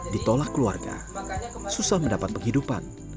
ditolak keluarga susah mendapat penghidupan